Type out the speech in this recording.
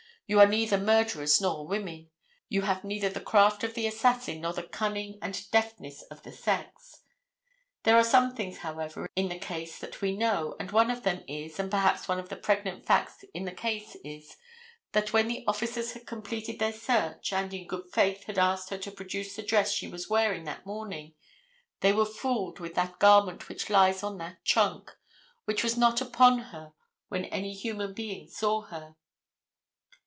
You are neither murderers nor women. You have neither the craft of the assassin nor the cunning and deftness of the sex. There are some things, however, in the case that we know, and one of them is, and perhaps one of the pregnant facts in the case is, that when the officers had completed their search, and in good faith had asked her to produce the dress she was wearing that morning, they were fooled with that garment which lies on that trunk, which was not upon her when any human being saw her.